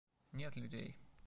Нет людей.